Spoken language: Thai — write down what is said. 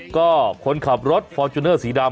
ก็คนขับรถฟอร์จูเนอร์สีดำ